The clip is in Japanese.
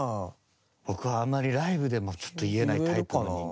僕はあんまりライブでもちょっと言えないタイプの人間ですね。